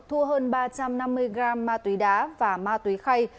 thu hơn ba trăm năm mươi gram ma túy đá và ma túy khay